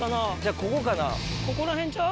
ここら辺ちゃう？